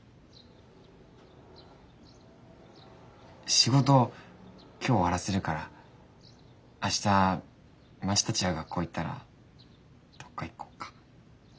仕事今日終わらせるから明日まちたちが学校行ったらどっか行こっか。